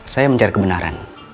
saya mencari kebenaran